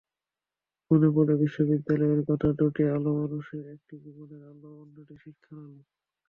মনে পড়ে বিদ্যাসাগরের কথা—দুটি আলো মানুষের, একটি জীবনের আলো, অন্যটি শিক্ষার আলো।